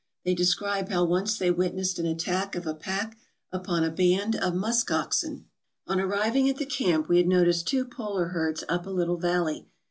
They describe how once they witnessed an attack of a pack upon a band of musk oxen :" On arriving at the camp we had noticed two polar herds up a little valley.